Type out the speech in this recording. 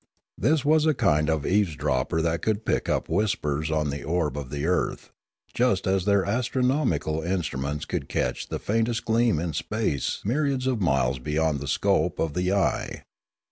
This was a kind of eavesdropper that could pick up whispers on the orb of the earth, just as their astronomical instruments could catch the faintest gleam in space myriads of miles beyond the scope of the eye.